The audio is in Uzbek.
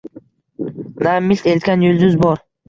Na milt etgan yulduz bor